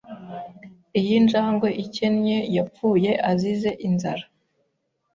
Iyi njangwe ikennye yapfuye azize inzara.